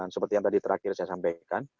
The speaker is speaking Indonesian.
seperti yang tadi terakhir saya sampaikan